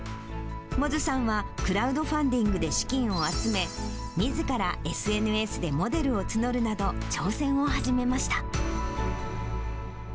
百舌さんはクラウドファンディングで資金を集め、みずからＳＮＳでモデルを募るなど、挑戦を始めました。